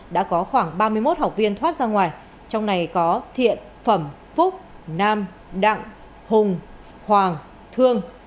đã có khoảng ba mươi một học viên thoát ra ngoài trong này có thiện phẩm phúc nam đặng hùng hoàng thương